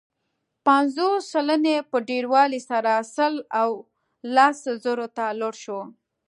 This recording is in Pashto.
پنځوس سلنې په ډېروالي سره سل او لس زرو ته لوړ شو.